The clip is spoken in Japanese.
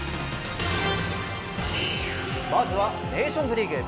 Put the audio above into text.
まずはネーションズリーグ。